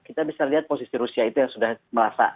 kita bisa lihat posisi rusia itu yang sudah merasa